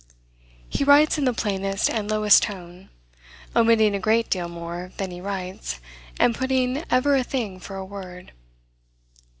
He writes in the plainest and lowest tone, omitting a great deal more than he writes, and putting ever a thing for a word.